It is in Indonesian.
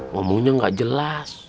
ngomongnya tidak jelas